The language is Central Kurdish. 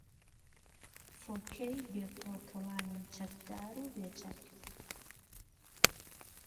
فۆرکەی بێفڕۆکەوانی چەکدار و بێچەک